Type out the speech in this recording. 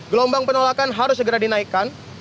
gelombang penolakan harus segera dinaikkan